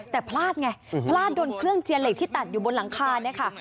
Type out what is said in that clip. แต่พลาดไงพลาดโดนเครื่องเจียเหล็กที่ตัดอยู่บนหลังคาเนี่ยค่ะ